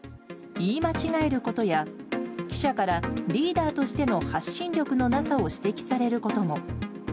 言い間違えることや、記者からリーダーとしての発信力のなさを指摘されることも。